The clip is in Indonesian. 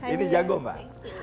ini jago mbak